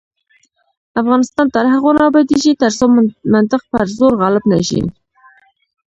افغانستان تر هغو نه ابادیږي، ترڅو منطق پر زور غالب نشي.